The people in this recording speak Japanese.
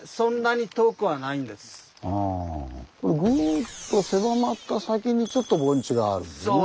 これぐっと狭まった先にちょっと盆地があるんだね。